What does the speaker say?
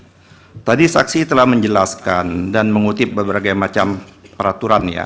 jadi tadi saksi telah menjelaskan dan mengutip berbagai macam peraturan ya